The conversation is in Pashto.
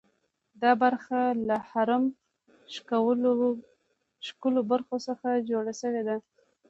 دا برخه له هرم شکلو برخو څخه جوړه شوې ده.